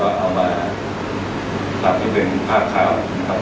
แล้วก็เอามาทำเป็นภาพขาวนะครับ